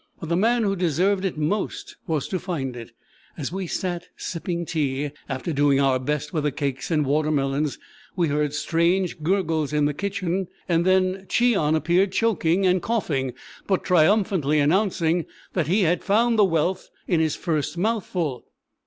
But the man who deserved it most was to find it. As we sat sipping tea, after doing our best with the cakes and water melons, we heard strange gurgles in the kitchen, and then Cheon appeared choking and coughing, but triumphantly announcing that he had found the wealth in his first mouthful.